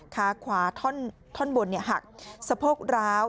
ขาขวาท่อนบนหักสะโพกร้าว